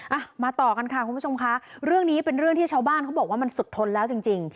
อ่ะมาต่อกันค่ะคุณผู้ชมค่ะเรื่องนี้เป็นเรื่องที่ชาวบ้านเขาบอกว่ามันสุดทนแล้วจริงจริง